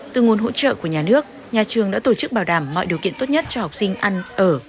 từ nguồn hỗ trợ của nhà nước nhà trường đã tổ chức bảo đảm mọi điều kiện tốt nhất cho học sinh ăn ở